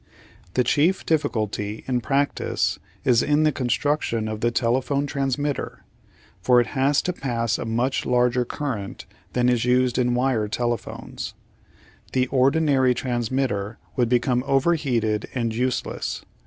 The chief difficulty, in prac tice, is in the construction of the telephone transmitter, for it has to pass a much larger current than is used in wire telephones. The ordinary transmitter would become overheated and useless.